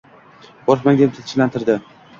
Qo`rqmang, deb tinchlantirdi